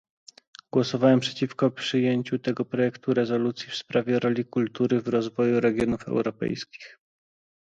Głosowałem przeciwko przyjęciu tego projektu rezolucji w sprawie roli kultury w rozwoju regionów europejskich